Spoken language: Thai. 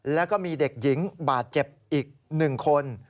แล้วก็มีเด็กหญิงบาดเจ็บอีก๑คน